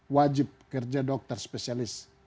wajib kerja dokter spesialis